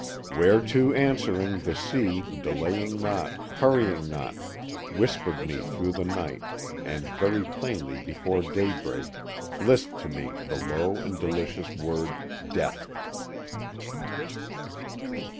_Whereto answering, the sea, Delaying not, hurrying not, Whispered me through the night, and very plainly before daybreak, Lisp'd to me the low and delicious word DEATH